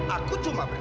aku cuma bertanya